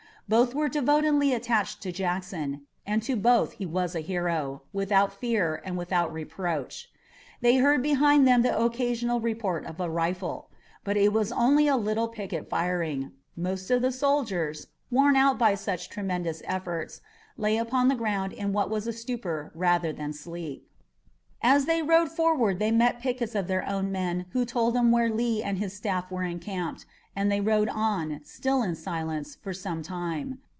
Both were devotedly attached to Jackson, and to both he was a hero, without fear and without reproach. They heard behind them the occasional report of a rifle. But it was only a little picket firing. Most of the soldiers, worn out by such tremendous efforts, lay upon the ground in what was a stupor rather than sleep. As they rode forward they met pickets of their own men who told them where Lee and his staff were encamped, and they rode on, still in silence, for some time.